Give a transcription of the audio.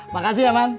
makasih ya man